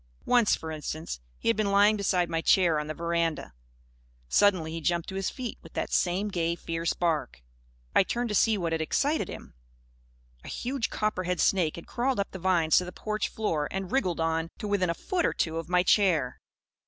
Once, for instance, he had been lying beside my chair on the veranda. Suddenly he jumped to his feet, with that same gay, fierce bark. I turned to see what had excited him. A huge copperhead snake had crawled up the vines to the porch floor and had wriggled on; to within a foot or two of my chair.